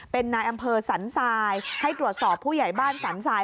เป็นนายอำเภอสันทรายให้ตรวจสอบผู้ใหญ่บ้านสันทราย